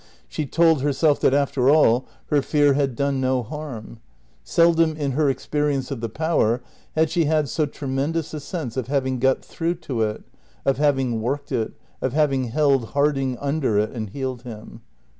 She told herself that, after all, her fear had done no harm. Seldom in her experience of the Power had she had so tremendous a sense of having got through to it, of having "worked" it, of having held Harding under it and healed him.